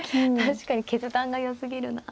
確かに決断がよすぎるな。